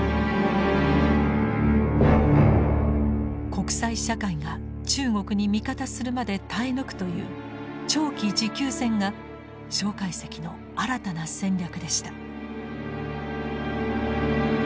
国際社会が中国に味方するまで耐え抜くという長期持久戦が介石の新たな戦略でした。